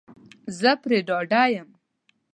زه پری ډاډه یم